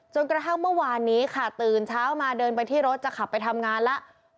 จนกระทั่งเมื่อวานนี้ค่ะตื่นเช้ามาเดินไปที่รถจะขับไปทำงานแล้ว